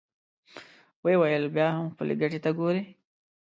ويې ويل: بيا هم خپلې ګټې ته ګورې!